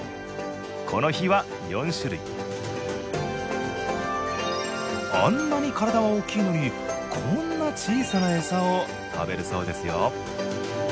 この日は４種類あんなに体は大きいのにこんな小さな餌を食べるそうですよ